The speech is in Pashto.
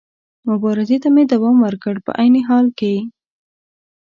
مبارزې ته مې دوام ورکړ، په عین حال کې.